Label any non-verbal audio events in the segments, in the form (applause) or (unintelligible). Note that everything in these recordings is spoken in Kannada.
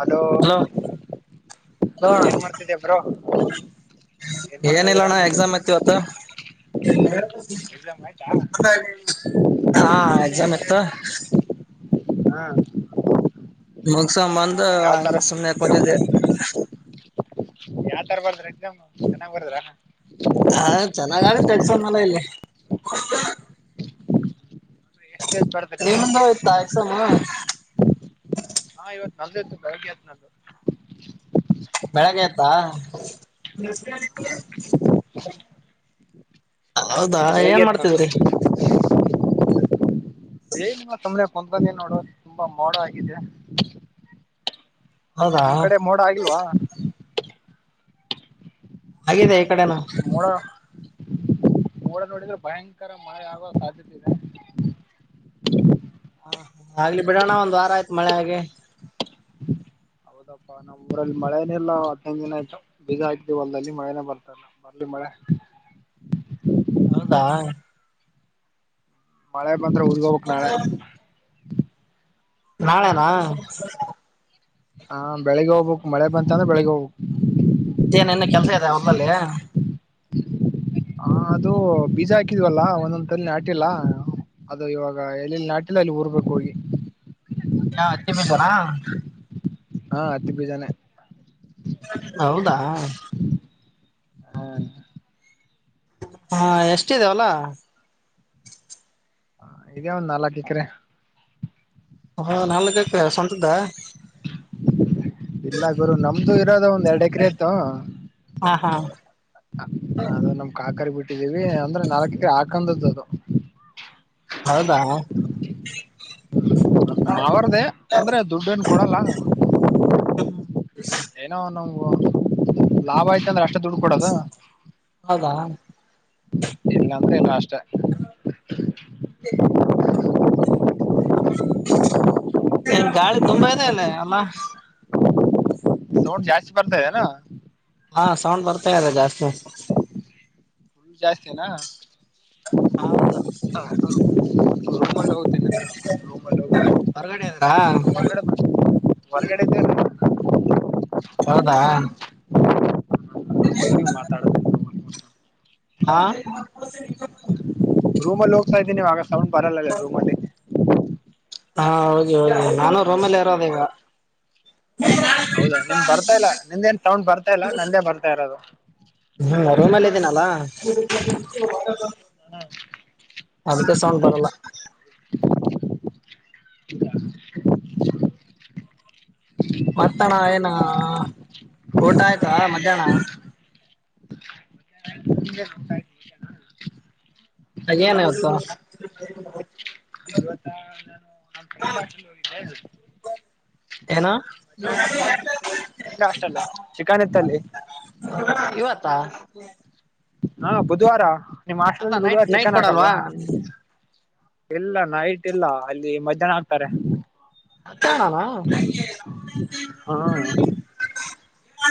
ಹಲೋ ಹಲೋಣ ಏನ್ ಮಾಡ್ತಿದ್ದೆ ಬ್ರೋ ಏನ್ ಮಾಡ್ತಾ ಏನಿಲ್ಲ ಇದೀರಾ ಅಣ್ಣ ಎಕ್ಸಾಮ್ ಇತಿವತ್ತು ಎಕ್ಸಾಮ್ ಆಯ್ತಾ ಹಾ ಎಸಾಮ್ ಇತ್ತು ಹಾ ಮ ಸಮ್ಮಂದ ಯಾವ್ ತರ ಸುಮ್ಮನೆ ಕೊಚ ಯಾವ್ ತರ ಬಂದ್ರ ಎಕ್ಸಾಮ್ ಚೆನ್ನಾಗ್ ಬರ್ದ್ರ ಹಾ ಚೆನ್ನಾಗ ಆಗೆ ತಳ್ಸ ಮಲ ಇಲ್ಲಿ ಎಷ್ಟ ಬರ್ತೀರಾ ನಿಮ್ಮಂದು ಹಯ್ತಾ ಎಕ್ಸಾಮ ನಲ್ೇತ ಬೆಳಗೆ ಆತ್ ನಲ್ ಬೆಳಗ್ ಆಯ್ತಾ ಹ ನಮಕಾರ ಹ್ಮ್ ಬೆಳಿಗ್ಗೆ ಎತ್ನಂಟು ಏನ ಸುಮ್ನೆ ಕುಂತದ ನೋಡುವ ತುಂಬಾ ಮೋಡ ಆಗಿದೆ. ಹೌದಾ ನಿಮ್ ಕಡೆ ಮೋಡ ಆಗಿಲ್ವಾ ಹಾಗಿದೆ ಕಡೆನಾ ನೋಡ ನೋಡಿದ್ರೆ ಭಯಂಕರ ಮಳೆ ಆಗುವ ಸಾಧ್ಯತೆ ಇದೆ ಹಾ ಆಗ್ಲಿ ಬಿಡೋಣ ಒಂದ್ ವಾರ ಆಯ್ತು ಮಳೆ ಹಾಗೆ ಹೌದಪ್ಪಾ ನಮ್ಮ್ ಊರಲ್ಲಿ ಮಳೆನ ಇಲ್ಲ ಹದೈದು ದಿನ ಆಯ್ತು ಬೀಜ ಹಾಕ್ತೀವ ಅಲ್ಲ್ಲಿ ಮಳೆನೇ ಬರ್ತಲ್ಲ ಬರ್ಲಿ ಮಳೆ ಹೌದಾ ಮಳೆ ಮಾತ್ರ ಉರ್ಗೋಗಕ್ ನಳೆ ನಾಳೆನಾ ಹಾ ಬೆಳಿಗ್ಗೆ ಹೋಗ್ಬೇಕಕ್ ಮಳೆ ಬಂತ ಅಂದ್ರೆ ಬೆಳಿಗ್ ಹೋಗ್ಬೇಕುಕ್ ಆಲ್ಲಯ ಹ ಅದು ಬೀಜ ಹಾಕಿದ್ವಲ್ಲ ಒಂದೊಂದ್ಲ್ಲಿ ನಾಟಿಲ್ಲ ಅದು ಇವಾಗ ಎಲ್ಲಿಲ್ಲಿ ನಾಟಿಲ್ಲ ಅಲ್ಲಿ ಊರ್ಬೇಕು ಹೋಗಿ ಹಾ ಹತ್ತಿ ಬೀಜನ ಹಾ ಹತ್ತಿ ಬಿಜಾನೇ ಹೌದಾ ಹೌ ಹಾ ಎಷ್ಟಿದೆ ಹೊಲ ಹ ಇದೇ ಒಂದ್ ನಾಲ್ಕು ಎಕರೆ, ಹಾ ನಮ್ಮದೇ ಸ್ವಂತದ ಇಲ್ಲ ಗುರು ನಮ್ದು ಇರೋದ ಒಂದು ಎರಡು ಎಕರೆ ಆಯತ ಹಾ ಹಾ ಅದು ನಮ ಕ ಕರಿ ಬಿಟ್ಟಿದ್ದೀವಿ ಅಂದ್ರೆ ನಾಲ್ಕ ಎಕರೆ ಹಾಕಂದದ್ದು ಅದು ಹೌದಾ ಮಾವಾರದೆೇ ಅಂದ್ರೆ ದುಡ್ಡ ನ್ ಕೊಡಲ್ಲ ಏನೋ, ನಮ ಲಾಭ ಆಯ್ತ ಅಂದ್ರೆ ಅಷ್ಟ ಹೌದಾ ಇಲ್ಲಂತ ಇನು ಅಷ್ಟೆ (unintelligible) ನ್ ಗಾಳಿ ತುಂಬಾ ಇದೆ ಅಲ್ಲ ನಿಮ್ ಅಲ್ಲಾ ಸೌಂಡ್ ಜಾಸ್ತಿ ಬರ್ತದೆನಾ ಹಾ ಸೌಂಡ್ ಬರ್ತಾ ಇದೆ ಜಾಸ್ತಿ, ಹು ಜಾಸ್ತಿನ ಹೌದು ರೂಮಲ್ಲಿ ಹೋಗ್ತೇನೆ ಅಂದ್ರ ರೂಮಲ್ಲಿ ಹೊರಗಡೆ ಇದಾರಾ ಹೋಗ ಹೊರಗಡೆ ಹೊರಗಡೆ ಇದ್ದೇನೆ ಹ್ಮ ಮಾತಾಡ ಹಾ ರೂಮಲ್ಲಿ ಹೋಗ್ತ ಇದ್ದೀನಿ ಆಗ ಸೌಂಡ್ ಬರಲ್ಲ ರೂಮ ಹಾ ಹೋಗಿ ಹೋಗಿ ನಾನು ರೋಮಲ್ಲಿ ಇರೋದ ಈವ ಹೌದಾ ನಿನ್ ಬರ್ತಾ ಇಲ್ಲ ನಿಂದೇನ್ ಸೌಂಡ್ ಬರ್ತಾ ಇಲ್ಲ ನಂದೇ ಬರ್ತಾ ಇರೋದು ಹ್ಮ್ ರೂಮಲ್ಲಿ ಇದ್ದೀನಲ್ಲ ಅದಕ್ಕೆ ಸೌಂಡ್ ಬರಲ್ಲ. (unintelligible) ಮತ್ತಣ ಏನ ಊಟ ಆಯ್ತಾ ಮಧ್ಯಾಹ್ನ ಟ ಹಾಗೇಏನಯತ್ತು. (unintelligible) ಇವತ್ತ ನಾನು ನಮ ಫ್ರೆಂಡ್ ಆಚಲ್ಲಿ ಹೋಗಿದ್ದೆ ಹೇಳು. ಏನು ಮಧ್ಯಾಹ್ನ ಚಿಕನ್ ನ್ ಫ್ರೆಂಡ್ ಅಷ್ಟಲ್ಲವಾ ಚಿಕನ್ ಇತ್ತಲ್ಲಿ. ಹಾ ಹಾ ಬುಧವಾರ ನಿಮ್ ಅಲ್ಲ ಹಾಸ್ಟೆಲ್ ನೈಟ್ ಬುಧವಾರ ನೈಟ್ ಕೊಡಲ್ವಾ? ಎಲ್ಲ ನೈಟ್ ಇಲ್ಲ ಅಲ್ಲಿ ಮ ಜನ ಆಗ್ತಾರೆ. ಹತ್ತಣಾನ ಹಾ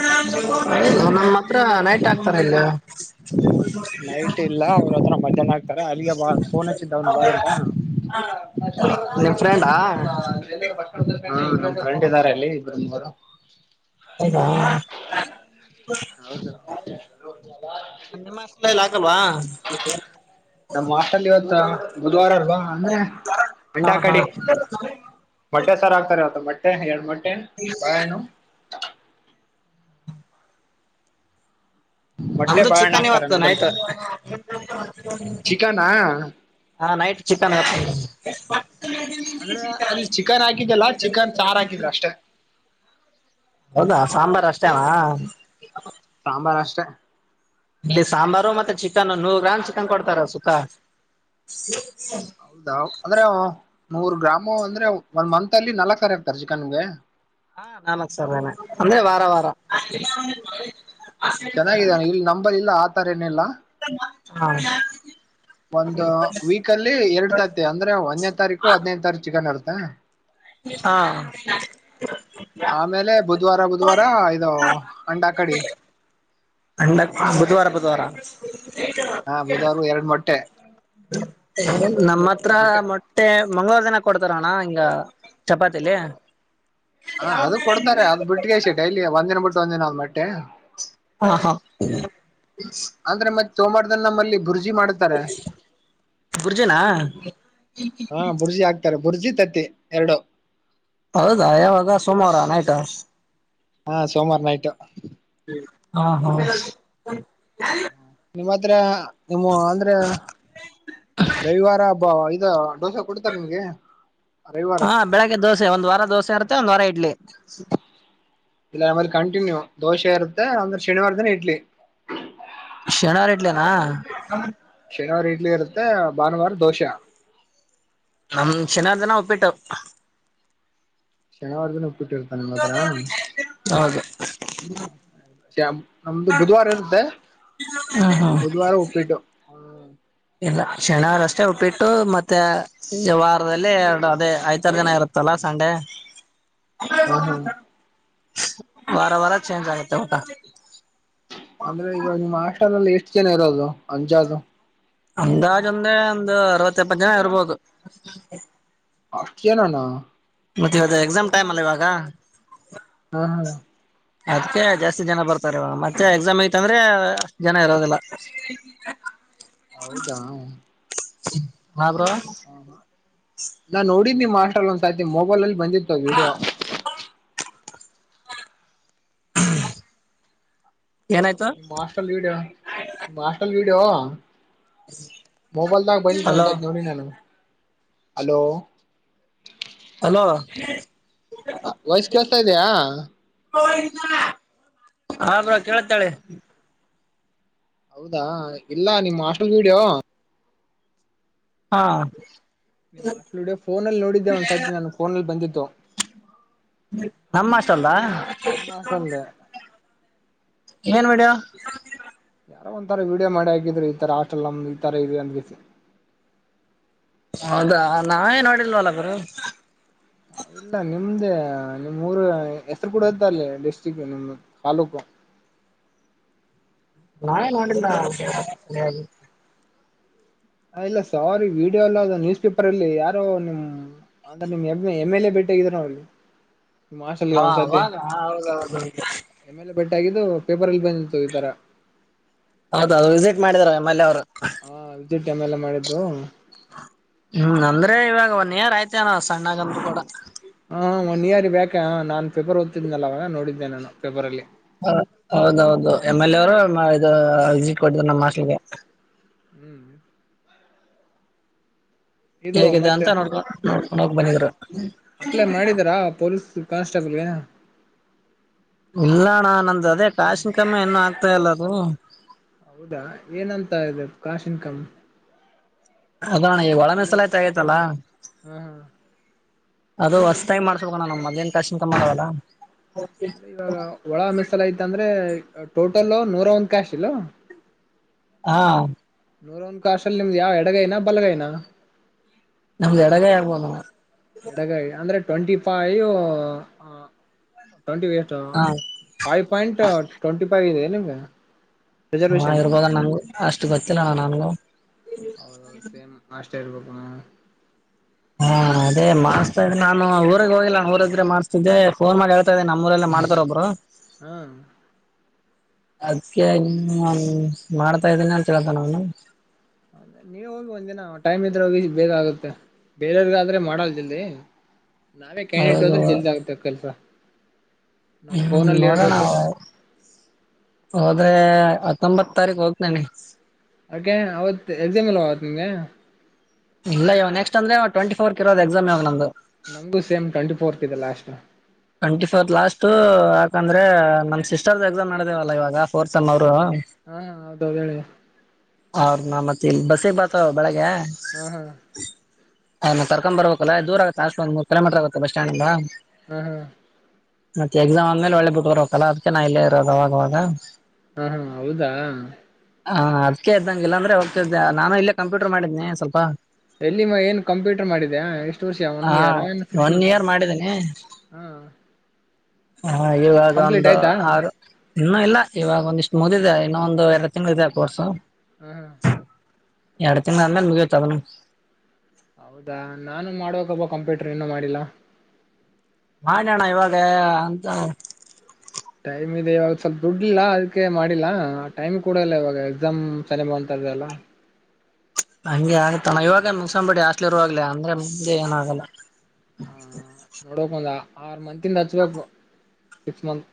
ನ (unintelligible) ಹ ನೈಟ್ ಆಗ್ತಾರ ಇಲ್ಲಿ (unintelligible) ನೈಟ್ ಇಲ್ಲ ಅವ್ರ ಹತ್ರ ಮಧ್ಯಾಹ್ನ ಆ ಅಲ್ಲಿಗೆ ಬ ಫೋನ್ ಹಚ್ಚಿದ್ದ ಅವ್ನು ಬಾರಂತ ನಿಮ್ ಫ್ರೆಂಡಾ ಹ್ಮ ನಮ್ ಫ್ರೆಂಡ್ ಇದಾರೆ ಅಲ್ಲಿ ಇಬ್ಬ್ರರು ಮೂವರ ಹೌದಾ ಹೌದು ನಿಮ್ಮ ಹಾಸ್ಟೆಲ್ ಅಲ್ಲಿ ಹಾಕಲ್ವಾ ನಮ್ಮ್ ಆಟಲ್ಲಿ ಇವತ್ತ ಬುಧವಾರ ಅಲ್ವಾ ಅಂದ್ರೆ ಹಾ ಅಂಡಾ ಹಾ ಕಡಿ ಮಟ್ಟೆ ಸಾರ್ ಆಗ್ತಾರೆ ಇವತ್ತು ಮ ಮಟ (unintelligible) ಬಾಳೆಣ್ಣು ಮೊಟ್ಟೆ ನಮ್ದು ಬಾಳೆಹಣ್ಣು ಚಿಕನ್ ಹಾಕ್ತಾರೆ ಇವತ್ತು ನಂಬಲ್ಲಿ ನೈಟ್ ಚಿಕನಾ ಹ ನೈಟ್ ಚಿಕನ್ ಅಂದ್ರೆ ಅಲ್ಲಿ ಚಿಕನ್ ಹಾಕಿದ್ದಲ್ಲ ಚಿಕನ್ ಚಾರ್ ಹಾಕಿದ್ರ ಅಷ್ಟೆ ಹೌದಾ ಸಾಂಬಾರ್ ಅಷ್ಟೇನಾ? ಸಾಂಬಾರ ಅಷ್ಟ ಇಲ್ಲಿ ಸಾಂಬಾರು ಮತ್ತೆ ಚಿಕನ್ ನೂರು ಗ್ರಾಮ್ ಚಿಕನ್ ಕೊಡ್ತಾರ ಸುಖ ಹೌದಾ ಅಂದ್ರೆ ನೂರ್ ಗ್ರಾಮು ಅಂದ್ರೆ ಒಂದ್ ಮಂತ್ ಅಲ್ಲಿ ನಾಲ್ಕ್ ಸಾರಿ ಆಗ್ತಾರೆ ಚಿಕನ್ಗೆ ಹಾ ನಾಲ್ಕ್ ಸಾರೆನೆ ಅಂದ್ರೆ ವಾರ ವಾರ ಚೆನ್ನಾಗಿದ್ದಾನೆ ಇಲ್ಲಿ ನಂಬಲ್ಲಿ ಇಲ್ಲ. ತರೇನಿಲ್ಲ? ಹಾ ಒಂದ್ ವೀಕಲ್ಲಿ ಎರಡ್ ತತ್ತಿ ಅಂದ್ರೆ ಒಂದನೇ ತಾರೀಕು ಹದಿನೈದು ತಾರೀಕು ಚಿಕನ್ ಇರ್ತೆ. ಹ. ಹಾ ಆಮೇಲೆ ಬುಧವಾರ ಬುಧವಾರ ಇದು ಅಂಡ ಕಡಿ. ಅಂಡ ಬುಧವಾರ ಬುಧವಾರ ಹಾ ಬುಧವಾರ ಎರಡು ಮೊಟ್ಟೆ ನಮ್ಮ ಹತ್ರ ಮೊಟ್ಟೆ ಮಟ್ಟೆ ಮಂಗಳವಾರ ದಿನ ಕೊಡ್ತಾರ ಅಣ್ಣ ಹಿಂಗ ಚಪಾತಿಲಿ ಹಾ ಅದು ಕೊಡ್ತಾರೆ ಅದು ಬಿಟ್ಟ ಗೆಶ ಡೈಲಿ ಒಂದಿನ ಬಿಟ್ಟ. ಂದಿನಾಳ ಮಟ್ಟೆ ಹಾ ಹಾ ಅಂದ್ರೆ ಮತ್ತೆ. ಸೋ ಮಾಡ್ದ ನಮ್ಮಲ್ಲಿ. (inaudible) ಬುರ್ಜಿನಾ. ಹಾ ಬುರ್ಜಿ ಹಾಕ್ತಾರೆ ಬುರ್ಜಿ ತತ್ತಿ ಎರಡು. ಹೌದಾ ಯಾವಾಗ ಸೋಮವಾರ ನೈಟಾ. ಹಾ ಸೋಮವಾರ ನೈಟು. ಹಾ ಹಾ. ನಿಮ್ಮತ್ರಾ. ನಿಮ್ಮು ಅಂದ್ರೆ ರವಿವಾರ. ಹಬಾ ಇದಾ. ದೋಸೆ ಕೊಡ್ತಾರೆ ನಿಮ್ಗೆ ರವಿವಾರ. ಹಾ ಬೆಳಗ್ಗೆ ದೋಸೆ ಒಂದ್ ವಾರ ದೋಸೆ ಇರುತ್ತೆ ಒಂದ್ ವಾರ ಇಡ್ಲಿ. ಇಲ್ಲನಮಲಿ ಕಂಟಿನ್ಯೂ ದೋಸೆ ಇರುತ್ತೆ ಅಂದ್ರೆ ಶನಿವಾರ ದಿನ ಇಡ್ಲಿ. ಹ್ಮ. (inaudible) ಶನಿವಾರ ಇಡ್ಲಿ ಇರುತ್ತೆ ಭಾನುವಾರ ದೋಶಾ. ನಮ್ ಶನಿವಾರ ದಿನ ಉಪ್ಪಿಟ್ಟು. ಶನಿವಾರ ದಿನ. ಪ್ಪಿಟ್ಟಿರ್ತ ನಿಮ್ಮ ಹತ್ರಾ ಹೌದು ನಮ್ದು ಬುಧವಾರ ಇರುತ್ತೆ ಬುಧವಾರ ಉಪ್ಪಿಟ್ಟು ಹ. ಇಲ್ಲ ಶನಿವಾರ ಅಷ್ಟೇ ಉಪ್ಪಿಟ್ಟು ಮತ್ತೆ ವಾರದಲ್ಲಿ ಎರಡು ಅದೇ ಐತಾರ ದಿನಾ ಇರುತ್ತಲ್ಲ ಸಂಡೆ. ಹ್ಮ ಹಾ. (inaudible) ಬರ ಚೇಂಜ್ ಆಗುತ್ತೆ ಊಟ. ಅಂದ್ರೆ ಈವಾಗ ನಿಮ್ಮ ಹಾಸ್ಟೆಲ್ ಅಲ್ಲಿ ಎಷ್ಟು ಎಷ್ಟು ಜನ ಇರೋದು ಅಂಜಾಜು. ಅಂದಾಜ್ ಅಂದ್ರೆ ಒಂದ್ ಅರವತ್ತ ಎಪ್ಪತ್ತ ಜನ ಇರ್ಬೋದು. ಅಷ್ಟು ಜನಾನಾ. ಮತ್ತೆ ಅದ ಎಕ್ಸಾಮ್ ಟೈಮ್ ಅಲ್ಲ ಇವಾಗ. ಹಾ ಹಾ. ಅದ್ಕ್ಕೆ ಜಾಸ್ತಿ ಜನ ಬರ್ತಾರೆ ಇವಾಗ ಮತ್ತೆ ಎಕ್ಸಾಮ್ಗತಂದ್ರೆ ಜನ ಇರೋದಿಲ್ಲ ಹೌದಾ ಹ್ಮ (inaudible) ಹಾ ನಾ ನೋಡಿದ್ನಿ. ನಿಮ್ ಹಾಸ್ಟಲ್ ಒಂದ್ ಸತಿ ಮೊಬೈಲ್ ಅಲ್ಲಿ ಬಂದಿತ್ತು ವಿಡಿಯೋ. (inaudible) ನಿಮ್ ಹಾಸ್ಟಲ್ ವಿಡಿಯೋ ನಿಮ್ಮ್ ಹಾಸ್ಟಲ್ ವಿ. ವಿಡಿಯೋ. ಮೊಬೈಲ್ದಾಗ ಬಂದಿತ್ತು ಹಲೋ ಒಂದಸಾತಿ ನೋಡಿ ನಾನು. ಹಲೋ. ಹಲೋ ವಯಸ್ ಕೆಸ ತ ಇದೆಯಾ (inaudible) ಹಬ್ರ ಕೇಳ್ತಾಳ ಹೌದಾ ಇಲ್ಲ ನಿಮ್ಮ ಅಸ್ಲ್ ವೀಡಿಯೋ ಹಾ ನಿಮ್ಮ್ ಆಸ್ಟೆಲ್ಡ ಫೋನಲ್ಲಿ ನೋಡಿದ್ದೆ ಒಂದ್ಸತಿ ನಾನು ಫೋನಲ್ಲಿ ಬಂದಿತ್ತು ನಮ್ಮ ಹಾಸ್ಟೆಲ್ ನಿಮ್ಮ ಹಾಸ್ಟೆಲ್ಧೆ ಏನ್ ಮಡಿಯ ಯಾರೋ ಒಂಥರ ವೀಡಿಯೋ ಮಾಡಿ ಹಾಕಿದ್ರು ಈತರ ಆಟೆಲ್ ನಮ್ದ್ ಈ ತರ ಇದೆ ಅಂದಿಸಿ ಹೌದಾ ನಾವೇ ನೋಡಿಲ್ವಲ್ಲ ಗುರು ಇಲ್ಲ ನಿಮ್ದೇ ನಿಮ್ಮ್ ಊರು ಹೆಸ್ರು ಕೂಡ ಇದ್ದ ಅಲ್ಲಿ ಡಿಸ್ಟ್ರಿಕ್ ನಿಮ್ದ ತಾಲೂಕು ನಾನೇ ನೋಡಿಲ್ಲ ಹ ಇಲ್ಲ ಸಾರಿ ವಿಡಿಯೋ ಎಲ್ಲ ನ್ಯೂಸ್ ಪೇಪರ್ ಅಲ್ಲಿ ಯಾರೋ ನಿಮ್ ಅಂದ್ರ ನಿಮ್ ಎ ಎಮ್ ಎಲ್ ಎ ಭೇಟೆಗಿದಾರ ಅವಲ್ಲಿ ಹಾ ಅವಾಗ ಅವಾಗವಾಗ ಬಟ್ಗಿದ್ದು ಪೇಪರ್ಲ್ಲಿ ಬಂದಿತ್ತು ಈ ತರ ಹೌದ ಅದು ರಿಜೆಕ್ಟ್ ಮಾಡಿದಿದ್ದಾರೆ ಮಲ್ಲಿ ಅವ್ರು ಹಾ ದ ಟೈಮ್ ಎಲ್ಲ ಮಾಡಿದ್ದು ಹ್ಮ್ ಅಂದ್ರೆ ಇವಾಗ ಒನ್ರ್ ಆಯ್ತ ಏನ ಸಣ್ಣಗಂತ ಕೂಡ ಹ ಒನ್ ಇಯರ್ ಬ್ಯಾಕ್ ನಾನ್ ಪಫಪರ್ಓದತ್ತಿದನಲ್ಲವಾಗ ನೋಡಿದ್ದೆ ನಾನುಫೆಬರ್ ಅಲ್ಲಿ ಹ ಹೌದೌದು ಎಮ್ ಎಲ್ ಎ ಅವರು ಇ ಎಟ್ ಕೊಟ್ಟರು ನಮ್ಮ್ ಹೋಸ್ಟಿಲೀಗೆ ಹ್ಮ್ ಇದು ಹೇಗಿದೆ ಮತ್ತೆ ಅಂತ ನೋಡ್ಕ ನೋಡ್ಕ ನ ಬನಿದ್ರು ಹಾಸ್ಟೆಲ್ ಗೆ ಇಲ್ಲಣಾ ನಂದು ಅದೇ ಕಶಿನ ಕಮ್ಮಿ ಇನ್ನು ಆಗ್ತಾಲ್ಲದು ಹೌದಾ ಏನಂತ ಇ ಕಾಶಿನ ಕಂ ಅದಣ ಈ ಒಳ ಮೆಸಲಾಯ್ತ ಆಗೈತಲ್ಲಾ ಹ್ಮ ಹಾ ಅದು ಹೊಸತಾಯ ಮಾಡ್ಸ್ಕಣ್ಣ ನಮ್ಮ್ ಮದ್ನ್ ಕಶ ಕಮ್ಮ ಮಾಡಲ್ಲ ಅಂದ್ರೆ ಇವಾಗ ಒಳ ಮೆಸಲ ಯತ ಅಂದ್ರೆ ಟೋಟಲ್ ನೂರ ಒಂದ್ ಕ್ಯಾಶ ಇಲ್. ಹಾ. ನೂರ ಒಂದ ಕಷಲ್ಲಿ ನಿಮ್ದ್ ಯಾವ ಎಡಗೈನ ಬಲಗೈನಾ. ನಮ್ದ ಎಡ ಗೈ ಅರ್ಬೋನು. ಎಡಗಾಯಿ ಅಂದ್ರೆ ಟ್ವೆಂಟಿ ಫೈ ಟ್ಂಟಿಷ್ಟು ಹಾ ಫೈವ್ ಪಾಯಿಂಟ್ ಟ್ವೆಂಟಿ ಫೈವ್ ಇದೆ ಬಲ್ಲಂಗ ಹಾ ಇರ್ಬೋದ ನಂಗ ಅಷ್ಟು ಗೊತ್ತಿಲ್ಲ ನಂಗು ಷ್ಟಾರಬೇಕಪ್ಪ ಹಾ ಅದೇ ಮಾಡ್ಸ್ತಾ ಇದೆ ನಾನು ಊರಿಗೆಗ್ ಹೋಗಿಲ್ಲ ಊರ ಇದ್ರೆ ಮಾಡ್ಸ್ತಿದ್ದೆ ಫೋನ್ ಮಾಡಿ ಹೇಳ್ತಾ ಇದ್ದೆ ನಮ್ಮೂಊಲ್ಲ ಮಾಡ್ತಾರ ಒಬ್ರು ಹ್ಮ್ ಅದ್ಕ್ಕೆ ಇ ಮಾಡ್ತಾ ಇದ್ದೀನಿ ಅಂತ ಹೇಳತನು ಅವನು ಅ ನೀವ ಹೋಗ್ ಒಂದಿನ ಟೈಮ್ ಇದ್ರೆ ಹೋಗಿ ಬೇಗ ಆಗುತ್ತೆ ಬೇರೆಯವ್ರಗಾದ್ರೆ ಮಾಡಲ್ ಜಲ್ದಿ ನಾವೇ ಕ್ಯಾಂಡಿಡೇಟ್ ಹೌದು ಹೋದ್ರೆ ಜಲ್ದಿ ಆಗುತ್ತೆ ಕೆಲಸ. ಹ್ಮ್ ನೋಡೋಣ ಹೋದ್ರೆ. ಹತ್ತೊಂಬತ್ತ ತಾರಿಕ್ ಹೋಗ್ತೇನೆ. ಅಕೆ ಅವತ್ ಎಕ್ಸಾಮ್ ಇಲ್ಲ ಅವತ ನಿಮಗೆ. ಇಲ್ಲ ಇವ ನೆಕ್ಸ್ಟ್ ಅಂದ್ರೆ ಟ್ವೆಂಟಿಫೋರ್ ಕೆ ಇರೋದ ಎಕ್ಸಾಮ್ ಇವಾಗ್ ನಮ್ದ್. ನಮ್ದು ಸೇಮ್ ಟ್ವೆಂಟಿ ಫೋರ್ತ್ ಇದೆ ಲಾಸ್ಟು. ಟ್ವೆಂಟಿ ಫೋರ್ತ್ ಲಾಸ್ಟು ಯಾಕಂದ್ರೆ ನಮ್ಮ ಸಿಸ್ಟರ್ ದ ಎಕ್ಸಾಮ್ ನಡದವಲ್ಲ ಇವಾಗ ಫೋರ್ತ್ ಸೇಮ್. ಹಾ ಹೌದೌದು ಹೇಳಿ. ಅವರ್ ನ ಮತ್ತೆ ಇಲ್ಲಿ ಬಸ್ಸಿಗೆ ಬರ್ತಾರ ಬೆಳಗ್ಗೆ. ಹಾ ಹಾ. ಅವರ್ನ ಕರ್ಕಂಬ ಬಬೇಕಲ್ಲ ದೂರ ಆಗುತ್ತ ಹಾಸ್ಟೆಲ್ ಇಂದ ಮೂರ ಕಿಲೋಮೀಟರ್ ಆಗುತ್ತೆ ಬಸ್ ಸ್ಟ್ಯಾಂಡ್ ಇಂದಾ. ಹ್ಮ ಹ್ಮ. ಮತ್ತೆ ಎಕ್ಸಾಮ್ ಅಂದ್ಮೇಲೆ ವಳ್ಳಿ ಬಿಟ್ಟಬರ್ಬೇಕಲ್ಲ ಅದ್ಕೆ ಇಲ್ಲೇ ಇರೋದ ನಾ ಆವಾಗ ಆವಾಗ. ಹಾ ಹಾ ಹೌದಾ. ಹಾ ಅದ್ಕೆ ಇದ್ದಂಗೆ ಇಲ್ಲಾಂದ್ರೆ ಹೋಗ್ತಿದ್ದೆ ನಾನು ಇಲ್ಲೇ ಕಂಪ್ಯೂಟರ್ ಮಾಡಿದ್ನಿ ಸ್ವಲ್ಪ. ಎಲ್ಲಿ ಏನ್ ಕಂಪ್ಯೂಟರ್ ಮಾಡಿದ ಎಷ್ಟು ವರ್ಷ ಒನ್ ಹಾ ಇಯರ್ ಏ ಸಿಕ್ಸ ಮಂತಾ. ಹಾ ಇವಾಗ ಕಂಪ್ಲೀಟ್ ಒಂದು ಆಯ್ತಾ ಆರು. ಹ ಇನ್ನು ಇಲ್ಲ ಇವಾಗ ಒಂದ ಇಷ್ಟ್ ಮುಗದಿದೆ ಇನ್ನೊಂದ ಎರಡು ತಿಂಗಳು ಇದೆ ಕೋರ್ಸು. ಹ್ಮ. ಎರಡ್ ತಿಂಗಳ ಆದ್ಮೇಲ್ ಮುಗಿತ್ ಅದೂನು. ಹೌದಾ ನಾನು ಮಾಡಬೇಕ್ ಅಪಾ ಕಂಪ್ಯೂಟರ್ ಇನ್ನೂ ಮಾಡಿಲ್ಲ. ಮಾಡಣ್ಣ ಇವಾಗ ಅಂತ. ಟೈಮ್ ಇದೆ ಇವಾಗ ಸ್ವಲ್ಪ ದುಡ್ಲಿಲ್ಲ ಅದಕ್ಕೆ ಮಾಡಿಲ್ಲಾ ಟೈಮ್ ಕೂಡ ಇಲ್ಲ ಇವಾಗ ಎಕ್ಸಾಮ್ ಸನ್ನಿ ಬಂತದೇ ಇಲ್ಲ. ಹಂಗೆ ಆಯತಾನ ಇವಾಗೇ. ಂಬಡಿ ಹಾಸ್ಟೆಲ್ ಇರುವಾಗ್ಲೆ ಅಂದ್ರೆ ಮುಂದೆ ಏನಾಗಲ್ಲ. ನೋಡಕ್ ಒಂದ ಆರ್ ಮಂತಿಂದ ಹಚ್ಬೇಕು ಸಿಕ್ಸ್ ಮಂತ್.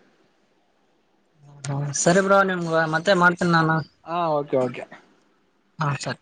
ಹ ಸರಿ ಬ್ರೋ ನಿಮ್ಗ ಮತ್ತೆ. ಮಾಡ್ತೀನಿ ನಾನು ಹಾ ಓಕೆ ಓಕೆ ಹಾ ಸರಿ